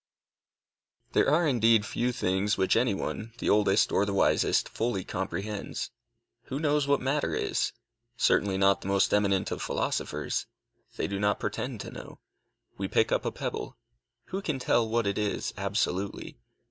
There are indeed few things which any one, the oldest or the wisest, fully comprehends. Who knows what matter is? Certainly not the most eminent of philosophers. They do not pretend to know. We pick up a pebble. Who can tell what it is, absolutely?